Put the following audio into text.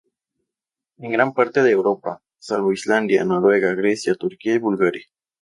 En gran parte de Europa, salvo Islandia, Noruega, Grecia, Turquía y Bulgaria.